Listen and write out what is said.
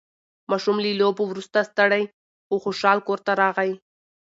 ماشوم له لوبو وروسته ستړی خو خوشحال کور ته راغی